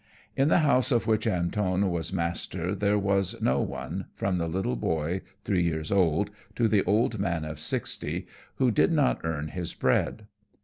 In the house of which Antone was master there was no one, from the little boy three years old, to the old man of sixty, who did not earn his bread.